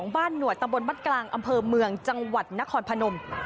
บ้านหนวดตำบลบ้านกลางอำเภอเมืองจังหวัดนครพนม